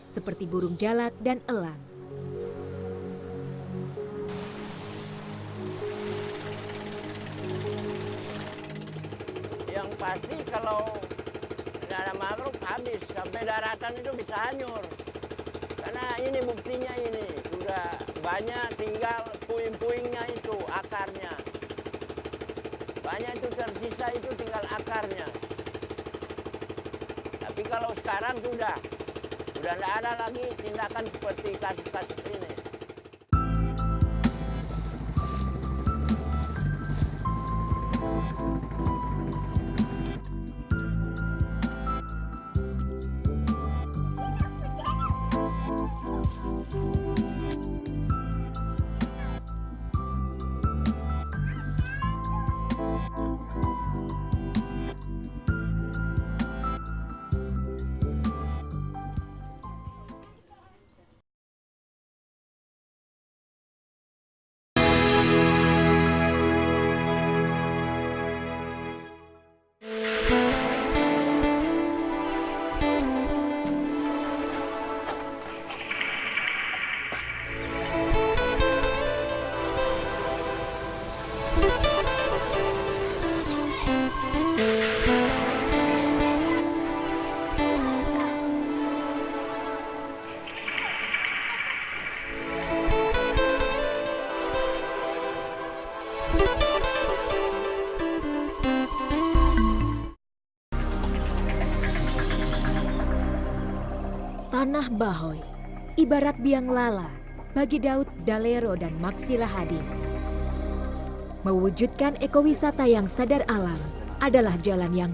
seperti burung jalak dan elang